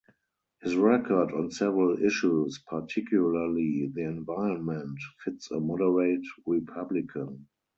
His record on several issues, particularly the environment, fits a moderate Republican.